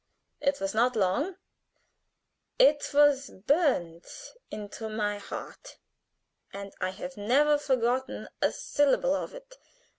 It was not long: it was burned into my heart, and I have never forgotten a syllable of it.